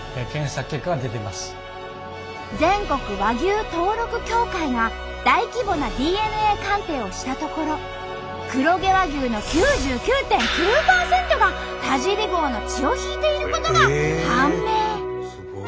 全国和牛登録協会が大規模なＤＮＡ鑑定をしたところ黒毛和牛の９９．９％が田尻号の血を引いていることが判明。